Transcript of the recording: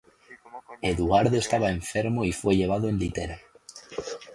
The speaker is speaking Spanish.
Eduardo estaba enfermo y fue llevado en litera.